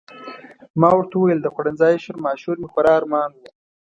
ما ورته وویل د خوړنځای شورماشور مې خورا ارمان و.